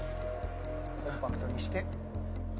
コンパクトにして。